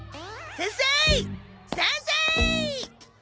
先生！